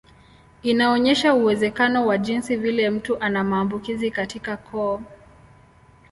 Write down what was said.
Inaonyesha uwezekano wa jinsi vile mtu ana maambukizi katika koo.